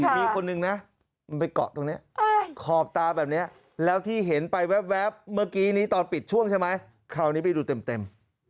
มีคนนึงนะมันไปเกาะตรงนี้ขอบตาแบบนี้แล้วที่เห็นไปแว๊บเมื่อกี้นี้ตอนปิดช่วงใช่ไหมคราวนี้ไปดูเต็ม